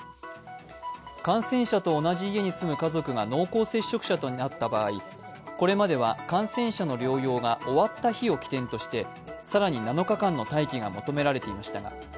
感染者と同じ家に住む家族が濃厚接触者となった場合、これまでは感染者の療養が終わった日を起点として更に７日間の待機が求められていました。